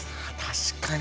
確かに。